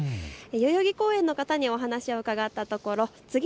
代々木公園の方にお話を伺ったところ